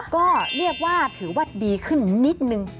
ก็เรียกว่าถือว่าดีขึ้นนิดนึง